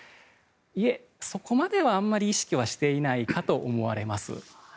いえ、そこまではあまり意識はしてないかと思われます。